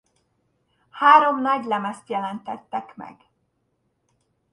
Három nagylemezt jelentettek meg.